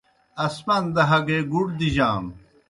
آسمان دہ ہگے گُوٹ دِجانوْ۔